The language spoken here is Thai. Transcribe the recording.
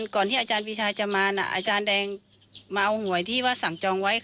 ก่อนที่อาจารย์ปีชาจะมานะอาจารย์แดงมาเอาหวยที่ว่าสั่งจองไว้